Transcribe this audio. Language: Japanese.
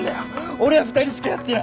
俺は２人しかやってない。